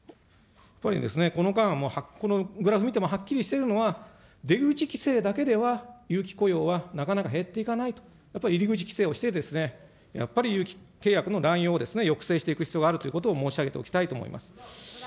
この間、このグラフ見てもはっきりしているのは、出口規制だけでは、有期雇用はなかなか減っていかないと、やっぱり入り口規制をして、やっぱり有期契約の乱用を抑制していく必要があるということを申し上げておきたいと思います。